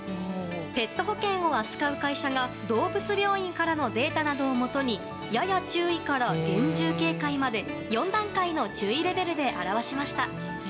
ペット保険を扱う会社が動物病院からのデータなどをもとにやや注意から厳重警戒まで４段階の注意レベルで表しました。